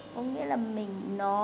có nghĩa là mình